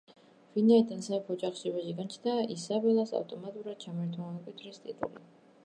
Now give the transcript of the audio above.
ვინაიდან სამეფო ოჯახში ვაჟი გაჩნდა ისაბელს ავტომატურად ჩამოერთვა მემკვიდრის ტიტული.